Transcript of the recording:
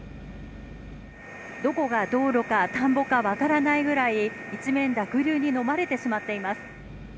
どこが道路か、田んぼか、分からないぐらい一面、濁流にのまれてしまっています。